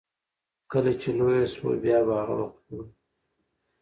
کله چې لويه شوه بيا به هغه وخت ګورو.